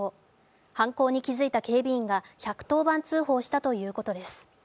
犯行に気付いた警備員が１１０番通報したということです。